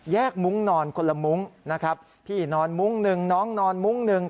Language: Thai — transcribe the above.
มุ้งนอนคนละมุ้งนะครับพี่นอนมุ้งหนึ่งน้องนอนมุ้งหนึ่ง